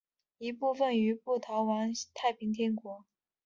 一部分余部逃往镇江加入太平天国。